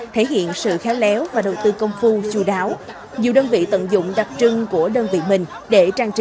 thể hiện sự khéo léo và đầu tư công phu chú đáo nhiều đơn vị tận dụng đặc trưng của đơn vị mình để trang trí